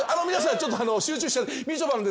ちょっと集中しちゃってみちょぱので。